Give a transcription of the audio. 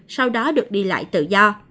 sau đó được đi lại tự do